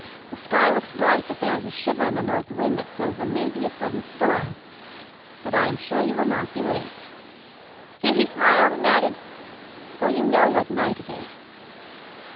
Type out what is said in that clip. The sky looks bright but there is a shiver in the north wind that says there may be a sudden storm. But I am sure you will not be late." Here he smiled and added, "for you know what night it is."